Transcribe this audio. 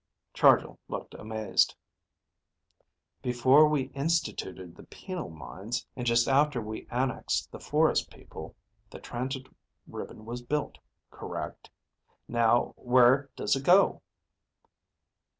Chargill looked amazed. "Before we instituted the penal mines, and just after we annexed the forest people, the transit ribbon was built. Correct? Now, where does it go?"